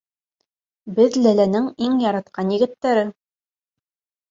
Беҙ Ләләнең иң яратҡан егеттәре.